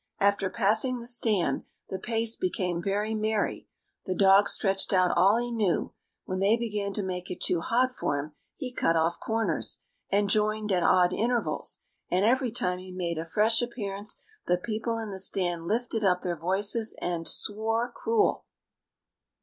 After passing the stand the pace became very merry; the dog stretched out all he knew; when they began to make it too hot for him, he cut off corners, and joined at odd intervals, and every time he made a fresh appearance the people in the stand lifted up their voices and "swore cruel".